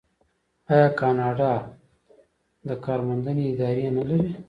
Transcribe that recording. آیا کاناډا د کار موندنې ادارې نلري؟